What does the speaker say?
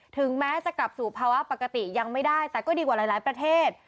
ถึงแม้จะกลับสู่ภาวะปกติยังไม่ได้แต่ก็ดีกว่าหลายประเทศ